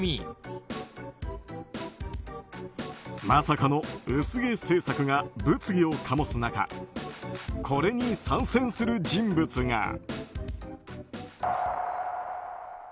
まさかの薄毛政策が物議を醸す中これに参戦する人物が。